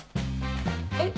えっ？